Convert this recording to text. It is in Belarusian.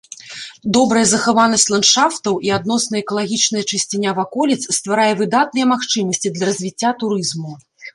Добрая захаванасць ландшафтаў і адносная экалагічная чысціня ваколіц стварае выдатныя магчымасці для развіцця турызму.